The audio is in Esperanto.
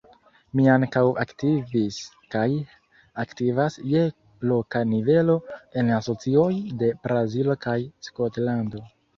Mi ankaŭ aktivis kaj aktivas je loka nivelo en asocioj de Brazilo kaj Skotlando.